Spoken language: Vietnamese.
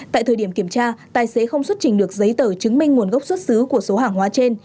tại thời điểm kiểm tra tài xế không xuất trình được giấy tờ chứng minh nguồn gốc xuất xứ của số hàng hóa trên